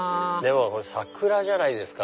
これ桜じゃないですか？